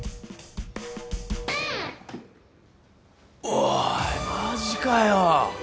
おいマジかよ。